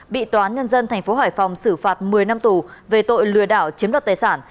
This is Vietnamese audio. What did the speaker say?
bị toán nhân dân thành phố hải phòng xử phạt một mươi năm tù về tội lừa đảo chiếm đoạt tài sản